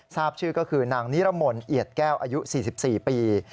ทราบชื่อก็คือนางนิรมนต์เอียดแก้วอายุ๔๔ปี